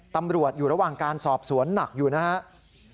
ตำรวจอยู่ระหว่างการสอบสวนหนักอยู่นะครับ